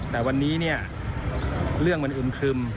แต่วันนี้เรื่องมันอึมคลึม